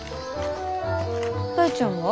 大ちゃんは？